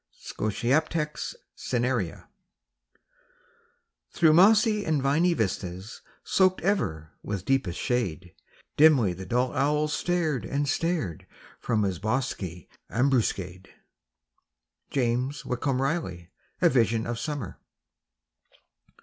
(Scotiaptex cinerea.) Through Mossy and viny vistas Soaked ever with deepest shade, Dimly the dull owl stared and stared From his bosky ambuscade. —James Whitcomb Riley, "A Vision of Summer."